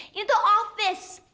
ini tuh ofis